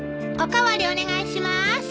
お代わりお願いします。